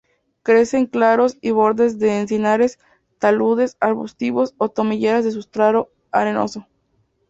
Crece en claros y bordes de encinares, taludes arbustivos o tomillares de sustrato arenoso.